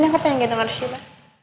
sini aku pengen nge dialog sama rishina